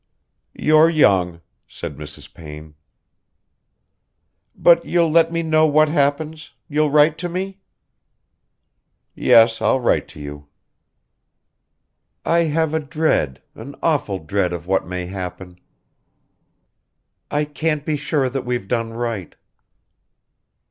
"You're young," said Mrs. Payne. "But you'll let me know what happens, you'll write to me?" "Yes, I'll write to you." "I have a dread, an awful dread of what may happen. I can't be sure that we've done right."